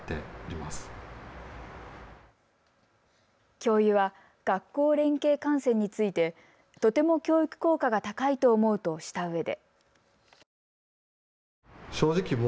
教諭は学校連携観戦についてとても教育効果が高いと思うとしたうえで。